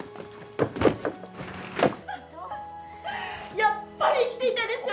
やっぱり生きていたでしょ！